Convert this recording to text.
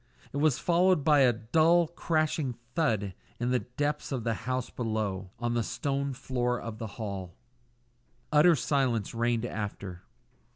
It was followed by a dull, crashing thud in the depths of the house below on the stone floor of the hall. Utter silence reigned after.